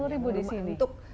lima puluh ribu di sini